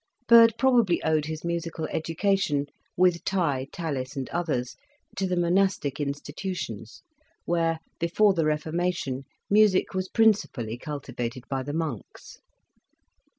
Byrd probably owed his musical education, with Tye, Tallis and others, to the monastic institutions, where, before the Reformation, music was principally cultivated by the Monks.